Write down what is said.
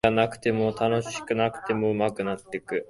興味がなくても楽しくなくても上手くなっていく